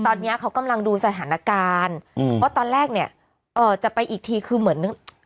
ตอนนี้เขากำลังดูสถานการณ์อืมเพราะตอนแรกเนี่ยเอ่อจะไปอีกทีคือเหมือน